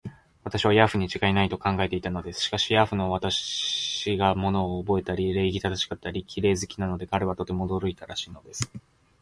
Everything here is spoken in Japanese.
私をヤーフにちがいない、と考えていたのです。しかし、ヤーフの私が物をおぼえたり、礼儀正しかったり、綺麗好きなので、彼はとても驚いたらしいのです。